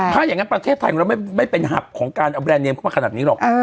ทั้งแฮปไทยไม่เป็นหับของการเอาเวลานี้มาขนาดนี้หรอก